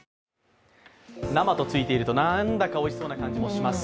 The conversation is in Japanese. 生とついていると、なんだかおいしそうな感じもします。